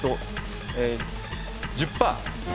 １０％。